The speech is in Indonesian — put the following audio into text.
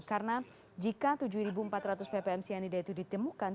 karena jika tujuh ribu empat ratus ppm cyanida itu ditemukan